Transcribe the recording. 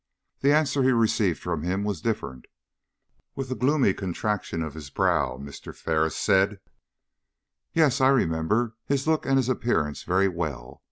The answer he received from him was different. With a gloomy contraction of his brow, Mr. Ferris said: "Yes, I remember his look and appearance very well.